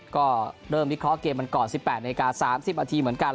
ก็เริ่มวิเคราะห์เกมกันก่อน๑๘นาที๓๐นาทีเหมือนกัน